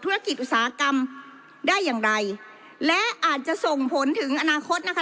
อุตสาหกรรมได้อย่างไรและอาจจะส่งผลถึงอนาคตนะคะ